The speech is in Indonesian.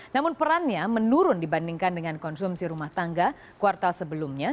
namun perannya menurun dibandingkan dengan konsumsi rumah tangga kuartal sebelumnya